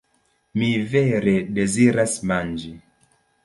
Mi vere deziras manĝi.